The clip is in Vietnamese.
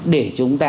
để chúng ta